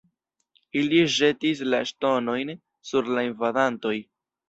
Ili ĵetis la ŝtonojn sur la invadantoj.